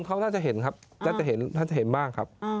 โซนเขาน่าจะเห็นนะครับได้เห็นน่าจะเห็นบ้างครับ